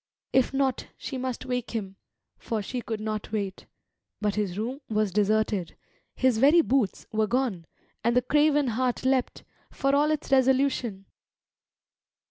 If not, she must wake him, for she could not wait. But his room was deserted; his very boots were gone; and the craven heart leapt, for all its resolution.